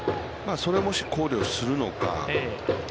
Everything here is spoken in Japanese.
それも考慮するのか。